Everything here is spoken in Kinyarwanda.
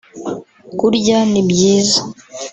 Kurya ni byiza